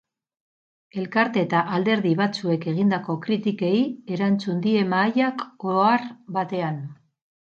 Elkarte eta alderdi batzuek egindako kritikei erantzun die mahaiak ohar batean.